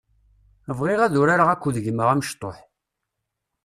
Bɣiɣ ad urareɣ akked gma amecṭuḥ.